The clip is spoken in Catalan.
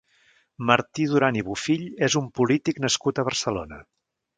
Martí Duran i Bofill és un polític nascut a Barcelona.